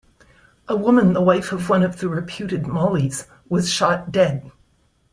A woman, the wife of one of the reputed Mollies, was shot dead.